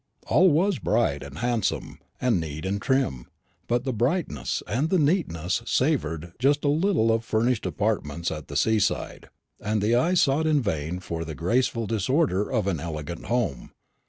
All was bright, and handsome, and neat, and trim; but the brightness and the neatness savoured just a little of furnished apartments at the seaside, and the eye sought in vain for the graceful disorder of an elegant home.